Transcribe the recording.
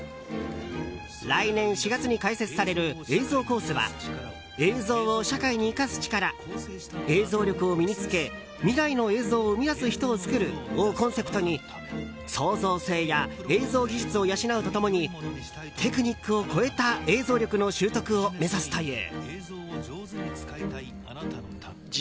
来年４月に開設される映像コースは「映像を社会に生かす力映像力を身に付け未来の映像を生み出す人を作る」をコンセプトに創造性や映像技術を養うと共にテクニックを超えた映像力の習得を目指すという。